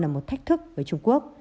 là một thách thức với trung quốc